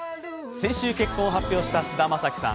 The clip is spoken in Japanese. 先週、結婚を発表した菅田将暉さん。